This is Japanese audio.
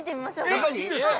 えっいいんですか？